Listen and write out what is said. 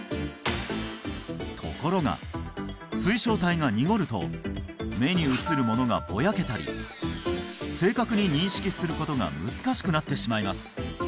ところが水晶体が濁ると目に映るものがぼやけたり正確に認識することが難しくなってしまいます